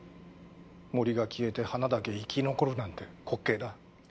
森が消えて花だけ生き残るなんて滑稽だ。